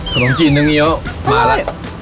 ขนมจีนน้ำเยอะมาละ